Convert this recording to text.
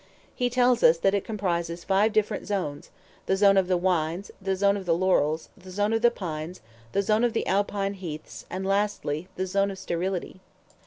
He tells us that it comprises five different zones the zone of the vines, the zone of the laurels, the zone of the pines, the zone of the Alpine heaths, and, lastly, the zone of sterility.